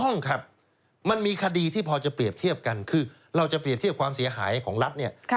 ในอดีตของรัฐเนี่ย